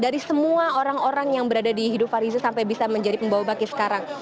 dari semua orang orang yang berada di hidup fariza sampai bisa menjadi pembawa baki sekarang